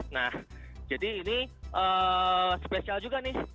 nah jadi ini spesial juga nih